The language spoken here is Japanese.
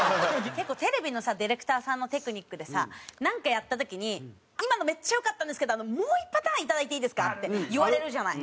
結構テレビのさディレクターさんのテクニックでさなんかやった時に「今のめっちゃ良かったんですけどもう１パターンいただいていいですか？」って言われるじゃない？